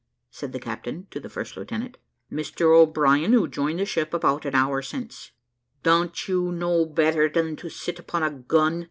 said the captain to the first lieutenant. `Mr O'Brien, who joined the ship about an hour since.' `Don't you know better than to sit upon a gun?'